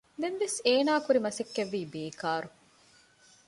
ދެންވެސް އޭނަ ކުރި މަސައްކަތްވީ ބޭކާރު